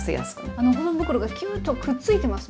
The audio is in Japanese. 保存袋がキューッとくっついてます